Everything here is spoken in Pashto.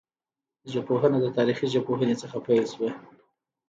ژبپوهنه د تاریخي ژبپوهني څخه پیل سوه.